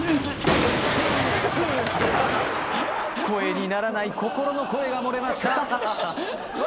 声にならない心の声がもれました。